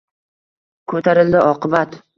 Ko’tarildi oqibat.